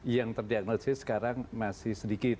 yang terdiagnosis sekarang masih sedikit